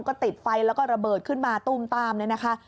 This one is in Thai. ก็ติดไฟแล้วก็ระเบิดขึ้นมาตู้มตามเลยนะคะ